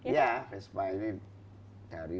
iya vespa ini dari